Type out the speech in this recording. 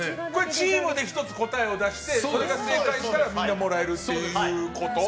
チームで１つ答えを出してそれが正解したらみんなもらえるっていうこと？